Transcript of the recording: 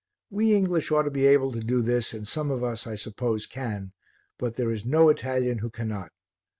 We English ought to be able to do this and some of us, I suppose, can, but there is no Italian who cannot.